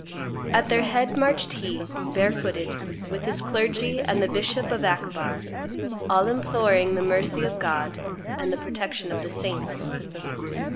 At their head marched he, barefooted, with his clergy and the bishop of Akbar, all imploring the mercy of God and the protection of the saints.